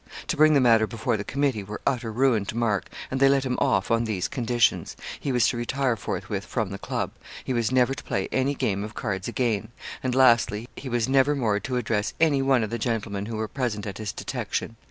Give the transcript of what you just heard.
To bring the matter before the committee were utter ruin to Mark, and they let him off, on these conditions he was to retire forthwith from the club; he was never to play any game of cards again; and, lastly, he was never more to address any one of the gentlemen who were present at his detection.